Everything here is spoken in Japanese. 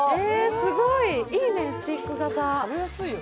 すごーい、いいね、スティック型。